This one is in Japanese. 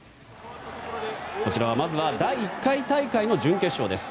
まずは第１回大会の準決勝です。